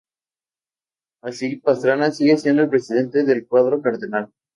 Así, Pastrana sigue siendo el presidente del cuadro cardenal.